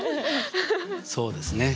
そうですね。